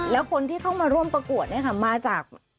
แล้วคนที่เข้ามาร่วมประกวดมาจาก